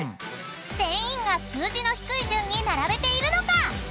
［全員が数字の低い順に並べているのか⁉］